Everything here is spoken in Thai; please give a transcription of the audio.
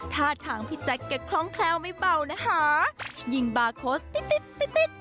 ท่าทางพี่แจ๊คแกคล้องแคล้วไม่เบานะคะยิงบาร์โค้ชติติดติ๊ดติ๊ด